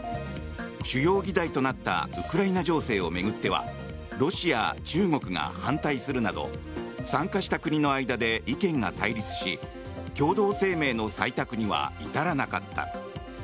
主要議題となったウクライナ情勢を巡ってはロシア、中国が反対するなど参加した国の間で意見が対立し共同声明の採択には至らなかった。